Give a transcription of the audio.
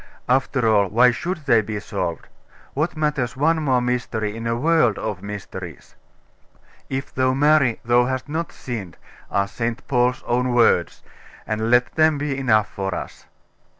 After all, why should they be solved? What matters one more mystery in a world of mysteries? "If thou marry, thou hast not sinned," are St. Paul's own words; and let them be enough for us.